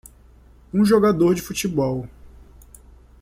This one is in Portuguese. um jogador de futebol